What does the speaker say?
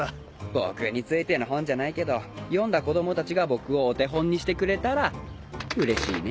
僕についての本じゃないけど読んだ子供たちが僕をお手本にしてくれたらうれしいね。